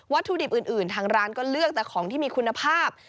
ถุดิบอื่นทางร้านก็เลือกแต่ของที่มีคุณภาพ